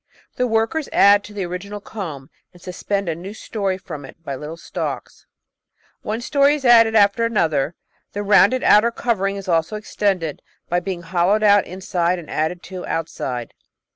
The workers add to the original comb and suspend a new storey from it by little stalks. One storey is added after another. The rounded outer covering is also extended, by being hollowed out inside and added to outside.